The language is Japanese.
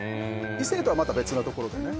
異性とはまた別のところでね。